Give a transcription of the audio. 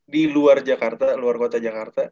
di luar jakarta luar kota jakarta